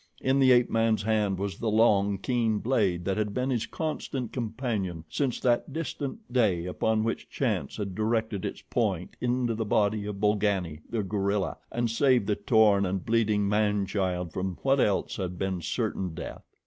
In the ape man's hand was the long, keen blade that had been his constant companion since that distant day upon which chance had directed its point into the body of Bolgani, the gorilla, and saved the torn and bleeding man child from what else had been certain death.